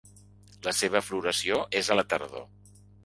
La seva floració és a la tardor.